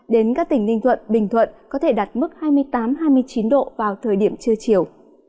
đến các tỉnh ninh thuận bình thuận có thể đạt mức hai mươi tám hai mươi chín độ vào thời điểm trưa chiều